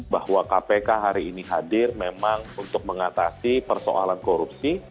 bahwa kpk hari ini hadir memang untuk mengatasi persoalan korupsi